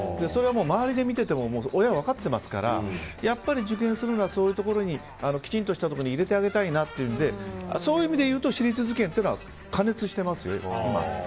それはもう周りで見てても親は分かってますからやっぱり受験するならそういうところにきちんとしたところに入れてあげたいということでそういう意味でいうと私立受験というのは過熱してます。